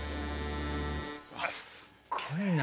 すっごいな。